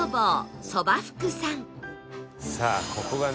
「さあここがね